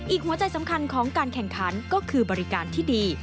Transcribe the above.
หัวใจสำคัญของการแข่งขันก็คือบริการที่ดี